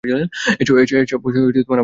এসব আমার দেখার বিষয় না।